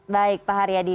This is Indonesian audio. baik pak haryadi